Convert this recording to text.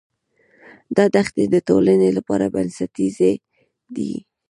دا دښتې د ټولنې لپاره بنسټیزې دي.